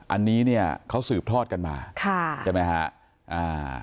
อันนี้เนี่ยเขาสืบทอดกันมาค่ะใช่ไหมฮะอ่า